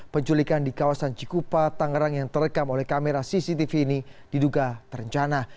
penculikan di kawasan cikupa tangerang yang terekam oleh kamera cctv ini diduga terencana